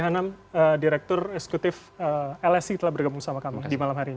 mas jadwih hanam direktur eksekutif lsi telah bergabung sama kami di malam hari ini